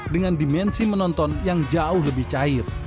dengan dimensi menonton yang jauh lebih cair